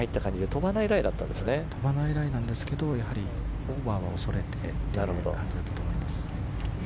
飛ばないライなんですけどオーバーは恐れてという感じだったと思います。